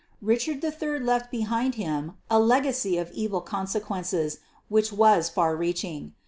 Richard III left behind him a legacy of evil consequences which was far reaching.